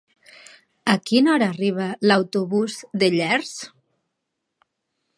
A quina hora arriba l'autobús de Llers?